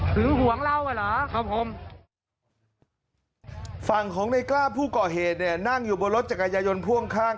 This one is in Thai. เพราะว่าสั่งของนายกล้าผู้เกาะเหตุเนี่ยนั่งอยู่บนรถจากกระยะยนต์พ่วงข้าง